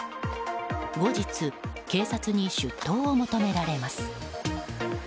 後日、警察に出頭を求められます。